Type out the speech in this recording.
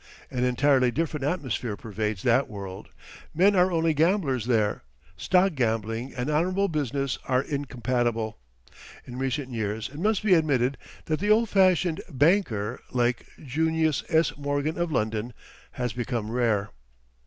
An entirely different atmosphere pervades that world. Men are only gamblers there. Stock gambling and honorable business are incompatible. In recent years it must be admitted that the old fashioned "banker," like Junius S. Morgan of London, has become rare.